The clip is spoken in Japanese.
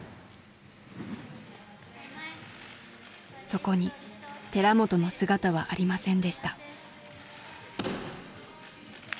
そこに寺本の姿はありませんでした。